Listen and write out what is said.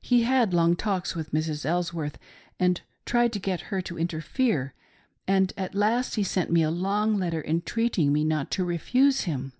He had long talks with Mrs. Elsworth, and tried to get her to interfere, and at last he sent me a long letter, entreating me not to refuse him.